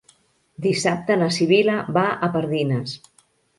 Dissabte na Sibil·la va a Pardines.